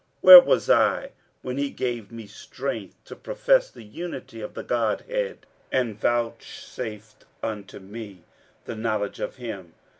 Where was I, when He gave me strength to profess the unity of the Godhead and vouchsafed unto me the knowledge of Him?